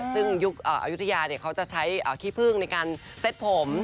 ซึ่งยุคอายุทยาเขาจะใช้ขี้พึ่งในการเซ็ตผม